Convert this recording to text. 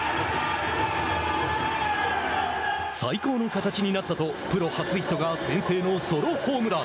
「最高の形になった」とプロ初ヒットが先制のホームラン。